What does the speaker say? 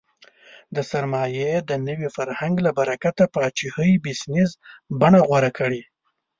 د سرمایې د نوي فرهنګ له برکته پاچاهۍ بزنس بڼه غوره کړې.